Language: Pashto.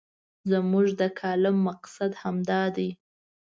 زموږ د کالم مقصد همدا دی.